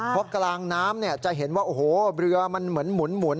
เพราะกลางน้ำจะเห็นว่าโอ้โฮเหมือนเรือมันหมุน